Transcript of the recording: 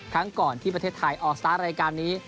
ครั้งก่อนที่ประเทศไทยออกสตาร์ทรายการนี้